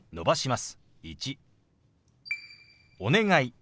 「お願い」。